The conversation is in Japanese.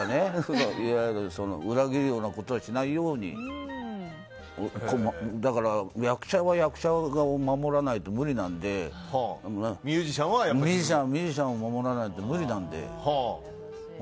裏切るようなことはしないように役者は役者が守らないと無理なのでミュージシャンはミュージシャンを守らないと無理なので。